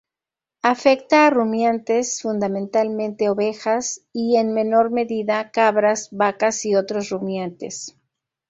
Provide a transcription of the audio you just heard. Afecta a rumiantes, fundamentalmente ovejas, y en menor medida, cabras, vacas y otros rumiantes.